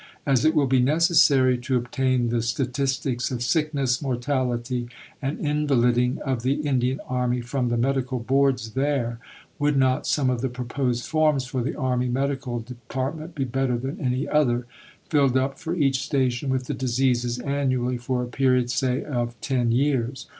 As it will be necessary to obtain the Statistics of Sickness, Mortality, and Invaliding of the Indian Army from the Medical Boards there, would not some of the proposed forms for the Army Medical Dep. be better than any other, filled up for each station with the Diseases annually for a period say of 10 years?